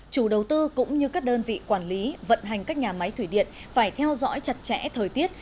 chủ đầu tư cũng như các đơn vị quản lý vận hành các nhà máy thủy điện phải theo dõi chặt chẽ thời tiết